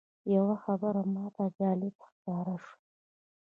یوه خبره ماته جالبه ښکاره شوه.